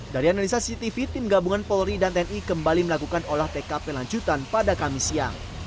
dari analisa cctv tim gabungan polri dan tni kembali melakukan olah tkp lanjutan pada kamis siang